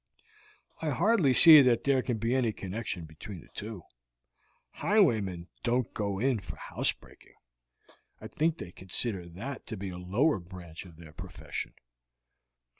"I hardly see that there can be any connection between the two. Highwaymen don't go in for house breaking. I think they consider that to be a lower branch of the profession."